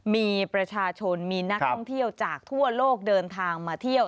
มีประชาชนมีนักท่องเที่ยวจากทั่วโลกเดินทางมาเที่ยว